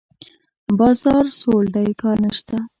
بازار سوړ دی؛ کار نشته.